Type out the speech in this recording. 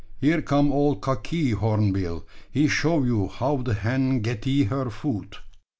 Here come old cockee horneebill; he show you how de hen getee her food."